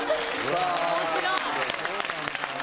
面白い。